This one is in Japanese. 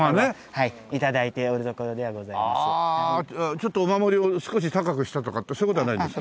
ちょっとお守りを少し高くしたとかってそういう事はないんですか？